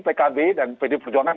pkb dan pd perjuangan